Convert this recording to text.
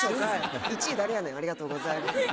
１位誰やねんありがとうございます。